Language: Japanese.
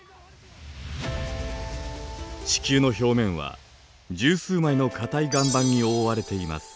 地球の表面は１０数枚の固い岩盤に覆われています。